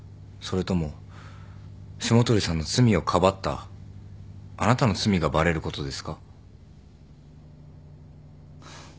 それとも霜鳥さんの罪をかばったあなたの罪がバレることですか？